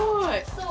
そう！